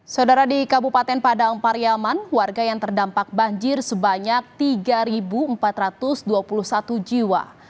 saudara di kabupaten padang pariaman warga yang terdampak banjir sebanyak tiga empat ratus dua puluh satu jiwa